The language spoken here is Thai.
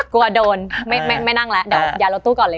กลัวโดนไม่นั่งแล้วเดี๋ยวยารถตู้ก่อนเลย